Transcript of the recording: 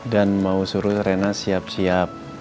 dan mau suruh rena siap siap